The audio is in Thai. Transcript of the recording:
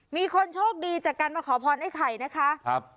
มีคนโชคดีจากการมาขอพรไอ้ไข่นะคะครับ